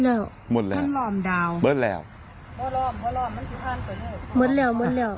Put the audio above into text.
หมดแล้วหมดแล้วมันหลอมดาวหมดแล้วหมดแล้วหมดแล้วหมดแล้ว